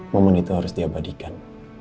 momen itu harus diabadikan